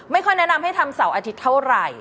ค่อยแนะนำให้ทำเสาร์อาทิตย์เท่าไหร่